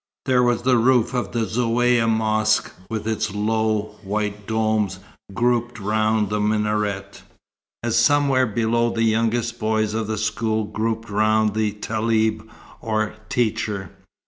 There was the roof of the Zaouïa mosque, with its low, white domes grouped round the minaret, as somewhere below the youngest boys of the school grouped round the taleb, or teacher.